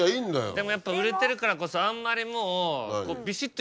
でもやっぱ売れてるからこそあんまりもう。